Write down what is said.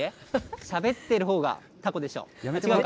しゃべってるほうがたこでしょう。